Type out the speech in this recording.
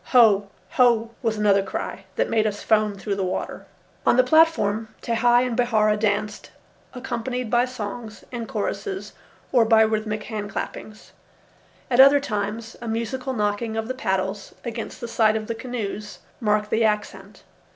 "Hoé! Hoé!" was another cry that made us foam through the water. On the platform Tehei and Bihaura danced, accompanied by songs and choruses or by rhythmic hand clappings. At other times a musical knocking of the paddles against the sides of the canoes marked the accent.